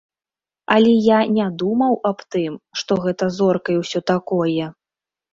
Але я не думаў аб тым, што гэта зорка і ўсё такое.